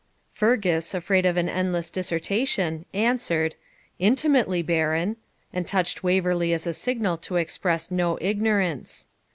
Fergus, afraid of an endless dissertation, answered, 'Intimately, Baron,' and touched Waverley as a signal to express no ignorance.